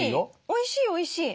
おいしいおいしい！